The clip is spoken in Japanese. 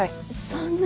そんな。